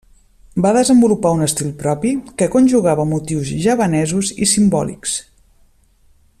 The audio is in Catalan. Va desenvolupar un estil propi que conjugava motius javanesos i simbòlics.